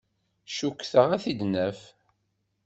Cukkteɣ ad t-id-naf.